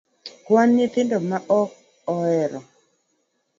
Kwano nyithindo moko ok ohero